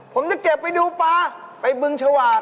ผมจะเก็บไปดูปลาไปบึงฉวาก